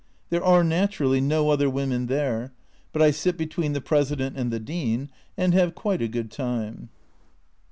There are, naturally, no other women there, but I sit between the President and the Dean, and have quite a good time.